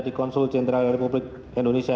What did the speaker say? di konsul jenderal republik indonesia